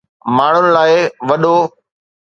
ماڻھن لاء وڏو